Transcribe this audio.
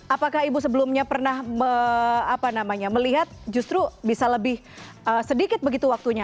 apakah ibu sebelumnya pernah melihat justru bisa lebih sedikit begitu waktunya